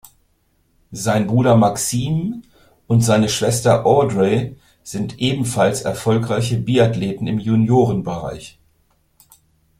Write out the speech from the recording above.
Sein Bruder Maxime und seine Schwester Audrey sind ebenfalls erfolgreiche Biathleten im Juniorenbereich.